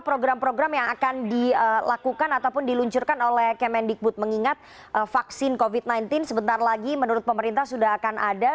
program program yang akan dilakukan ataupun diluncurkan oleh kemendikbud mengingat vaksin covid sembilan belas sebentar lagi menurut pemerintah sudah akan ada